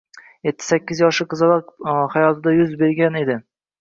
Etti-sakkiz yoshli qizaloq hayotida nima yuz bergan edi